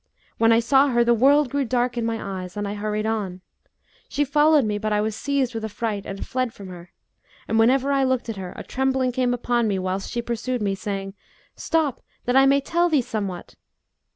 When I saw her, the world grew dark in my eyes and I hurried on. She followed me, but I was seized with affright and fled from her, and whenever I looked at her, a trembling came upon me whilst she pursued me, saying. 'Stop, that I may tell thee somewhat!'